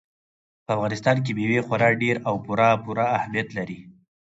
په افغانستان کې مېوې خورا ډېر او پوره پوره اهمیت لري.